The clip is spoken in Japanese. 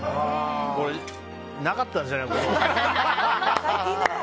これ、なかったんですよね。